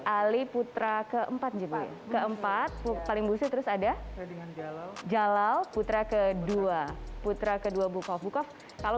ali putra keempat jika keempat paling busa terus ada jalal putra ke dua putra ke dua bukof bukof kalau